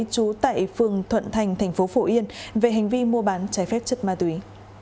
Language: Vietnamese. trú tại phường thuận thành thành phố phổ yên về hành vi mua bán trái phép chất ma túy